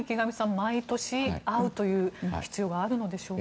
毎年、会うという必要があるのでしょうか。